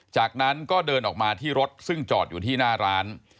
จากนั้นก็เดินออกมาที่รถซึ่งจอดอยู่ที่หน้าร้าน